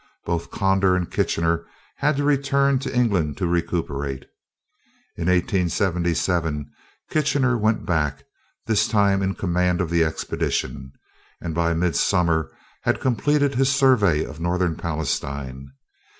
Both Conder and Kitchener had to return to England to recuperate. In 1877, Kitchener went back, this time in command of the expedition, and by midsummer had completed his survey of northern Palestine.